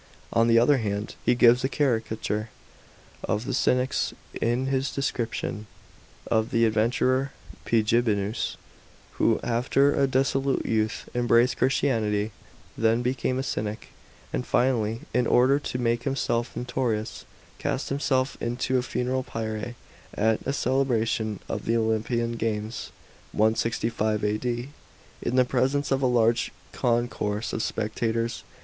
On the other hand, he gives a caricature of the Cynics in his description of the adventurer PEEEGBINUS, who after a dissolute youth embraced Christianity, then became a Cynic, and finally, in order to make himself notorious, cast himself into a funeral pyre at a celebration of the Olympian games (165 A.D.) in the presence of a large concourse of spectators.